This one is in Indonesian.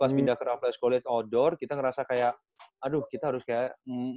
pas pindah ke raffles collage outdoor kita ngerasa kayak aduh kita harus kayak